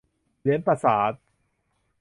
เหรียญกระษาปณ์